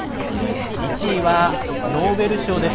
１位はノーベル賞です。